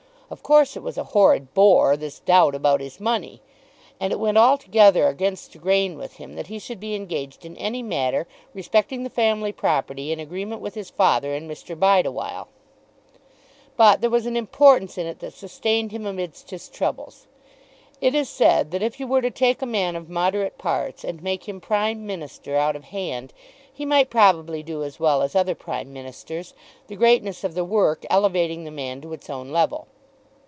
Of course it was a "horrid bore," this doubt about his money. And it went altogether against the grain with him that he should be engaged in any matter respecting the family property in agreement with his father and Mr. Bideawhile. But there was an importance in it that sustained him amidst his troubles. It is said that if you were to take a man of moderate parts and make him Prime Minister out of hand, he might probably do as well as other Prime Ministers, the greatness of the work elevating the man to its own level.